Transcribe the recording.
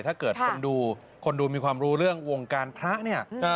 ถ้าเกิดคนดูคนดูมีความรู้เรื่องวงการพระเนี่ย